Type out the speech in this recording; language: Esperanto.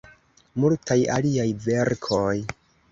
Multaj aliaj verkoj.